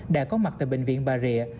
đã có mặt tại bệnh viện bà rịa